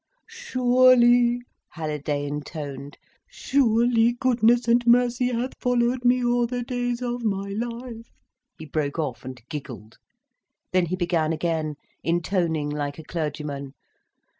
"Surely," Halliday intoned, "'surely goodness and mercy hath followed me all the days of my life—'" he broke off and giggled. Then he began again, intoning like a clergyman.